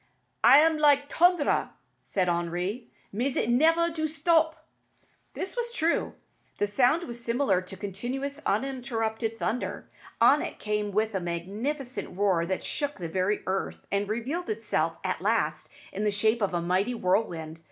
"It am like t'ondre," said Henri; "mais it nevair do stop." This was true. The sound was similar to continuous, uninterrupted thunder. On it came with a magnificent roar that shook the very earth, and revealed itself at last in the shape of a mighty whirlwind.